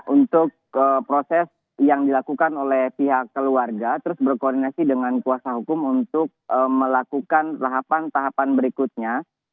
untuk proses yang dilakukan oleh pihak keluarga terus berkoordinasi dengan kuasa hukum untuk melakukan tahapan tahapan berikutnya